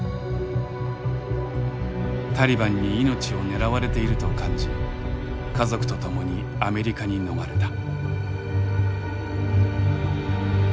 タリバンに命を狙われていると感じ家族と共にアメリカに逃れた。